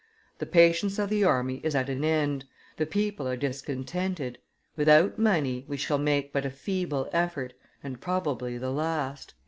The patience of the army is at an end, the people are discontented; without money, we shall make but a feeble effort, and probably the last."